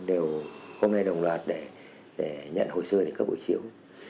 đều hôm nay đồng loạt để nhận hồi xưa cấp hộ chiếu